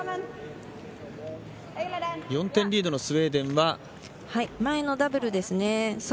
４点リードのスウェーデンは前のダブルです。